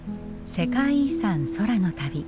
世界遺産空の旅。